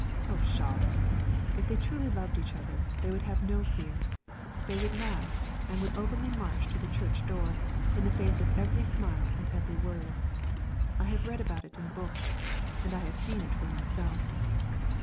Oh pshaw! if they truly loved each other they would have no fear; they would laugh, and would openly march to the church door, in the face of every smile and every word. I have read about it in books, and I have seen it for myself.